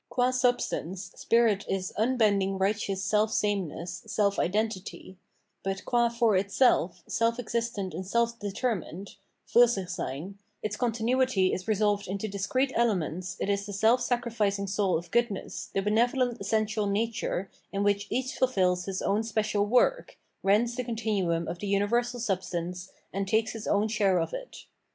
Qm substance, spirit is unbending righteous self same ness, self identity; but qm for itself, self existent and self determined {FursicJiseyn), its continuity is resolved into discrete elements, it is the self sacrificing soul of goodness, the benevolent essential nature, in which each fulfils his own special work, rends the continuum of the imiversal substance, and takes his own share of it.